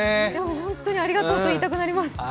本当にありがとうと言いたくなります。